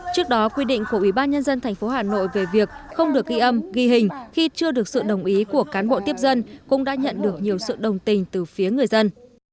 trước đó quy định của ubnd thành phố hà nội về việc không được ghi âm ghi hình khi chưa được sự đồng ý của cán bộ tiếp dân cũng đã nhận được nhiều sự đồng tình từ phía người dân